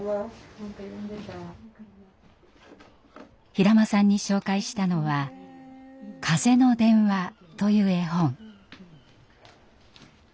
平間さんに紹介したのは「かぜのでんわ」という絵本。